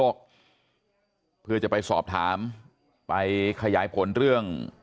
ก็ไม่คืน